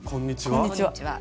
こんにちは？